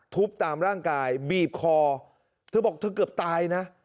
ทุบตามร่างกายบีบคอเธอบอกเธอเกือบตายนะ